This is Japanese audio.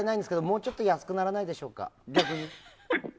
もうちょっと安くならないでしょうか。